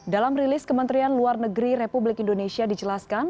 dalam rilis kementerian luar negeri republik indonesia dijelaskan